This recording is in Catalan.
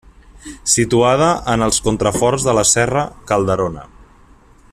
Situada en els contraforts de la Serra Calderona.